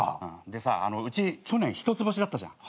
でさうち去年１つ星だったじゃん。